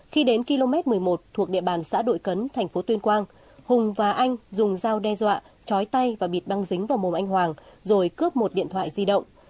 khi đến km một mươi một thuộc địa bàn xã đội cấn thành phố tuyên quang hùng và anh dùng dao đe dọa chói tay và bịt băng dính vào mùm anh hoàng rồi cướp một điện thoại di động